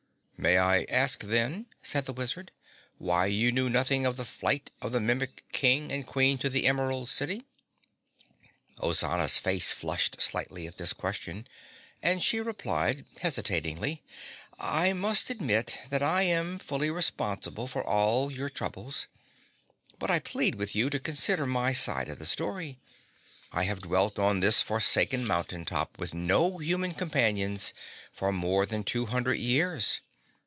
"May I ask then," said the Wizard, "why you knew nothing of the flight of the Mimic King and Queen to the Emerald City?" Ozana's face flushed slightly at this question, and she replied hesitatingly. "I must admit that I am fully responsible for all your troubles. But I plead with you to consider my side of the story. I have dwelt on this forsaken mountain top with no human companions for more than two hundred years.